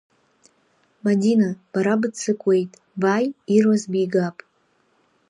Мадина, бара быццакуеит, бааи, ирлас бигап!